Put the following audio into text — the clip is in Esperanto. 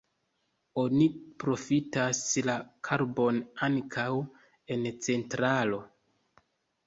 Oni profitas la karbon ankaŭ en centralo.